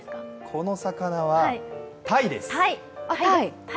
この魚は、たいです！